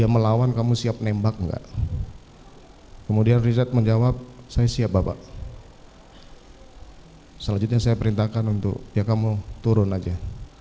selanjutnya saya perintahkan untuk ya kamu turun aja